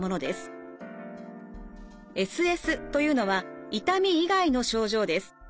ＳＳというのは痛み以外の症状です。